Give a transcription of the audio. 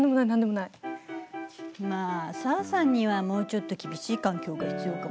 まあ紗和さんにはもうちょっと厳しい環境が必要かもね。